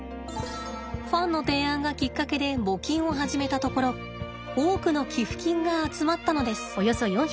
ファンの提案がきっかけで募金を始めたところ多くの寄付金が集まったのです。